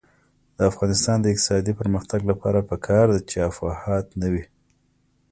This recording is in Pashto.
د افغانستان د اقتصادي پرمختګ لپاره پکار ده چې افواهات نه وي.